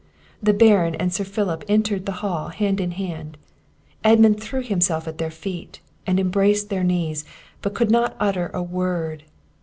The Baron and Sir Philip entered the hall hand in hand; Edmund threw himself at their feet, and embraced their knees, but could not utter a word.